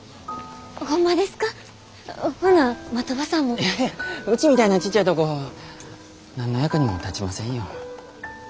いやいやうちみたいなちっちゃいとこ何の役にも立ちませんよ。